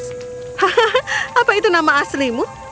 hahaha apa itu nama aslimu